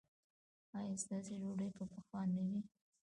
ایا ستاسو ډوډۍ به پخه نه وي؟